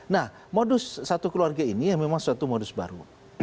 nah modus satu keluarga ini yang memang suatu modus baru